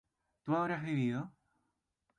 ¿tú habrás bebido?